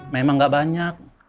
memang gak banyak